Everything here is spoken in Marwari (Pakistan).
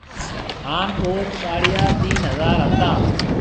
ھانَ اوٿ ٻاݪيان تين ھزار ھتا۔